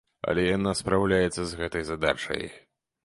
Але яна спраўляецца з гэтай задачай.